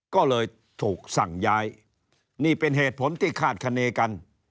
ก็เลยถูกสั่งย้ายนี่เป็นเหตุผลที่คาดคณีกัน